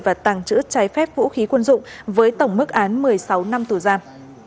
và tàng trữ trái phép vũ khí quân dụng với tổng mức án một mươi sáu năm tù giam